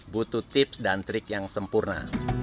butuh tips dan trik yang sempurna